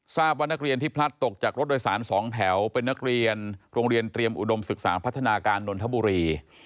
ทราบว่านักเรียนที่พลัดตกจากรถโดยสาร๒แถวเป็นนักเรียนโรงเรียนเตรียมอุดมศึกษาพัฒนาการนนทบุรี